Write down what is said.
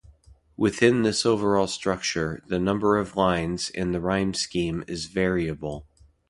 Within this overall structure, the number of lines and the rhyme scheme is variable.